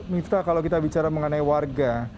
mifta kalau kita bicara mengenai warga